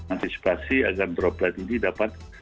antisipasi agar droplet ini dapat